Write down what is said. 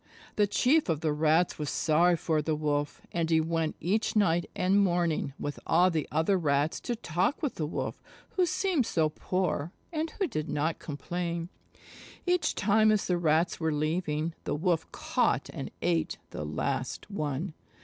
The Chief of the Rats was sorry for the Wolf, and he went each night and morning with all the other Rats to talk with the Wolf, who seemed so poor, and who did not complain. Each time as the Rats were leaving, the Wolf caught and ate the last one.